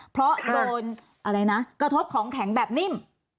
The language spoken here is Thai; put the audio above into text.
เพราะโดนอะไรนะกระทบของแข็งแบบนิ่ม